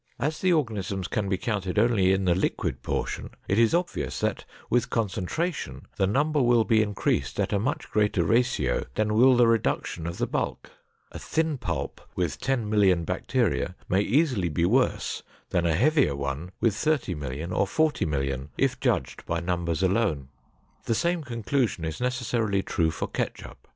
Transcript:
As the organisms can be counted only in the liquid portion, it is obvious that with concentration, the number will be increased at a much greater ratio than will the reduction of the bulk. A thin pulp with 10,000,000 bacteria may easily be worse than a heavier one with 30,000,000 or 40,000,000, if judged by numbers alone. The same conclusion is necessarily true for ketchup.